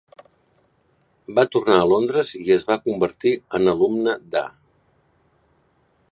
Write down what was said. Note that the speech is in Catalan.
Va tornar a Londres i es va convertir en alumne d"A.